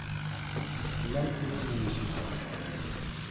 Llant tissmin icemmten.